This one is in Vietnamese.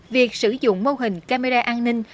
việc sử dụng mô hình camera an ninh